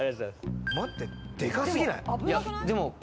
待って、でかすぎない？